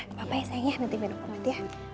gapapa ya sayangnya nanti minum perut ya